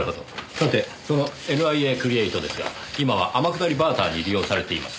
さてそのＮＩＡクリエイトですが今は天下りバーターに利用されています。